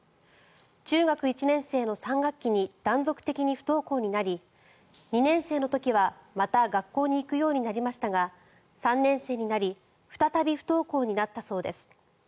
中学１年生の３学期に断続的に不登校になり２年生の時は、また学校に行くようになりましたが３年生になり再び不登校になったそうです。